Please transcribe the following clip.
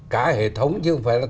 cả hệ thống chứ không phải là